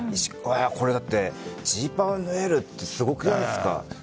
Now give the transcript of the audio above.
これだってジーパン縫えるってすごくないですか。